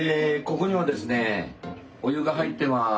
ここにはですねお湯が入ってます。